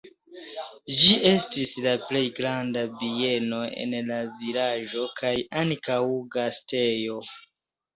Ĝi estis la plej granda bieno en la vilaĝo kaj ankaŭ gastejo.